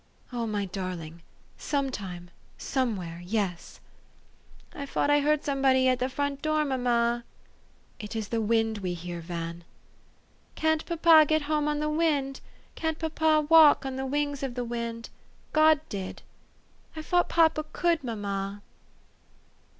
"" O my darling ! Some time somewhere yes. '' "I fought I heard somebody at the front door, mamma.'* 378 THE STORY OF AVIS. " It is the wind we hear, Van." " Can't papa get home on the wind? Can't papa walk on "the wings of the wind? God did. I fought papa could, mamma."